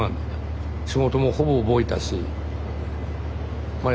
仕事もほぼ覚えたしま